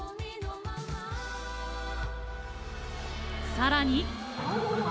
さらに。